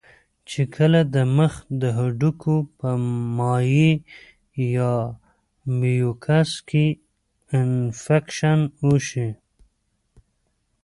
چې کله د مخ د هډوکو پۀ مائع يا ميوکس کې انفکشن اوشي